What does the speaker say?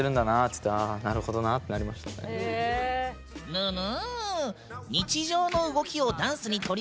ぬぬ！